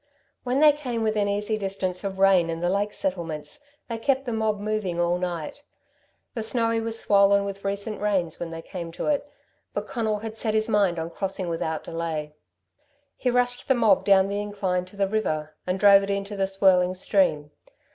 When they came within easy distance of Rane and the lake settlements they kept the mob moving all night. The Snowy was swollen with recent rains when they came to it; but Conal had set his mind on crossing without delay. He rushed the mob down the incline to the river, and drove it into the swirling stream.